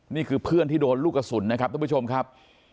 นี่คือเพื่อนที่โดนลูกกระสุนนะครับท่านผู้ชมครับ